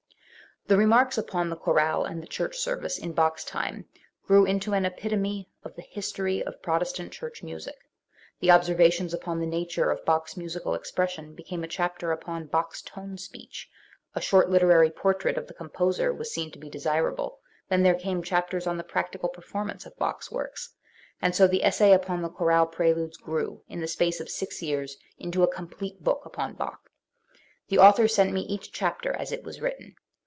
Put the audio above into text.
The remarks upon the chorale and the church service in Bach's time grew into an epitome of the history of Protestant church music; the observations upon the nature of Bach's musical expression became a chapter upon "Bach's tone speech"; a short literary portrait of the com poser was seen to be desirable; then there came chapters on the practical performance of Bach's works; and so the essay upon the chorale preludes grew, in the space of six years, into a complete book upon Bach. The author sent me each chapter as it was written.